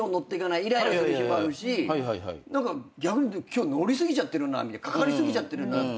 いらいらする日もあるし逆にいうと今日のり過ぎちゃってるかかり過ぎちゃってるなって